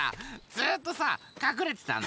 ずっとさかくれてたの。